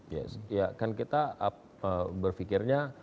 ya kan kita berfikirnya